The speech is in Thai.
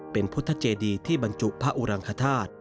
เป็นพุทธเจดีที่บรรจุพระอุรังคธาตุ